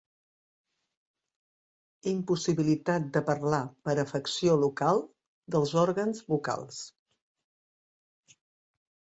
Impossibilitat de parlar per afecció local dels òrgans vocals.